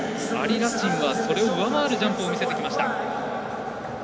ラチンは、それを上回るジャンプを見せてきました。